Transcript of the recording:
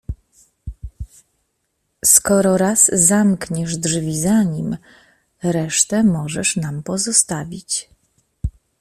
"Skoro raz zamkniesz drzwi za nim, resztę możesz nam pozostawić."